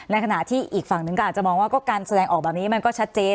ขณะที่อีกฝั่งหนึ่งก็อาจจะมองว่าก็การแสดงออกแบบนี้มันก็ชัดเจน